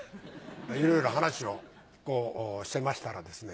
いろいろ話をしてましたらですね